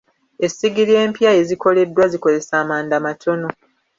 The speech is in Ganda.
Essigiri empya ezikoleddwa zikozesa amanda matono.